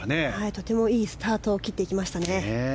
とてもいいスタートを切っていきました。